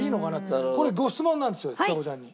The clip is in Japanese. これご質問なんですよちさ子ちゃんに。